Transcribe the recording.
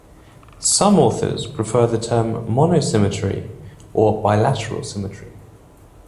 Some authors prefer the term monosymmetry or bilateral symmetry.